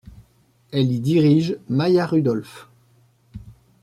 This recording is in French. Elle y dirige Maya Rudolph.